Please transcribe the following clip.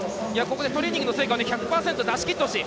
トレーニングの成果を１００％出しきってほしい。